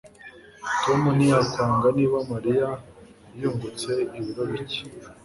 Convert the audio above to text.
Tom ntiyakwanga niba Mariya yungutse ibiro bike